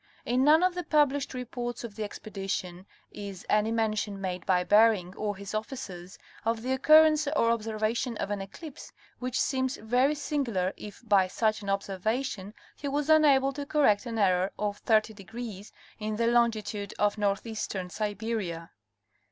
In none of the published reports of the expedition is any mention made by Bering or his officers of the occurrence or observation of an eclipse, which seems very sin gular if by such an observation he was enabled to correct an error of 30° in the longitude of northeastern Siberia.